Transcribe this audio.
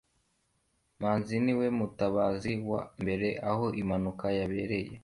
manzi niwe mutabazi wa mbere aho impanuka yabereye